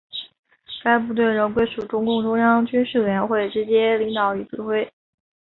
该部队仍归属中共中央军事委员会直接领导与指挥。